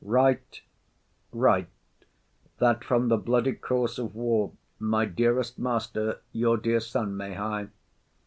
Write, write, that from the bloody course of war My dearest master, your dear son, may hie.